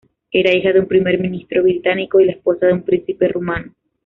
Era hija de un primer ministro británico y la esposa de un príncipe rumano.